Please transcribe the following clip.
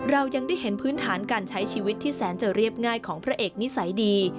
เรายังได้เห็นพื้นฐานการใช้ชีวิตที่แสนจะเรียบง่ายของพระเอกนิสัยดี